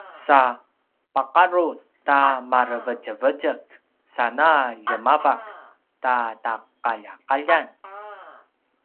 sa paqarut ta marevetjevetjek sana ljemavak ta taqaljaqaljan